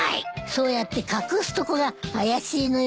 そうやって隠すとこが怪しいのよね。